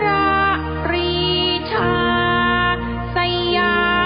ยุฒิเวศสวัสดีครับ